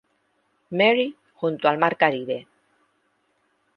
Mary, junto al Mar Caribe.